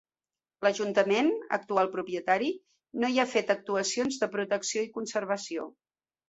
L’Ajuntament, actual propietari, no hi ha fet actuacions de protecció i conservació.